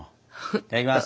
いただきます！